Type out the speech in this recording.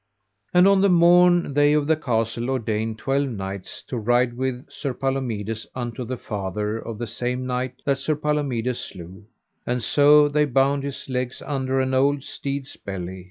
And on the morn they of the castle ordained twelve knights to ride with Sir Palomides unto the father of the same knight that Sir Palomides slew; and so they bound his legs under an old steed's belly.